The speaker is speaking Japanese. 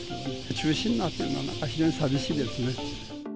中止になるっていうのは、非常に寂しいですね。